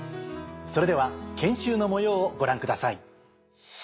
それでは研修の模様をご覧ください。